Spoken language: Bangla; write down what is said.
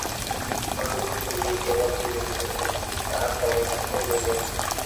বালবুদ্ধি জীবে কে বা কি বলিতেছে, তাহার খবরমাত্রও লইবে না।